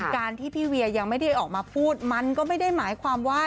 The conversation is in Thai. การที่พี่เวียยังไม่ได้ออกมาพูดมันก็ไม่ได้หมายความว่า